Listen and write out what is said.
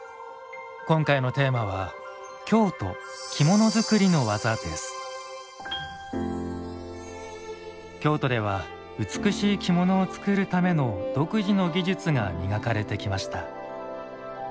今回のテーマは京都では美しい着物を作るための独自の技術が磨かれてきました。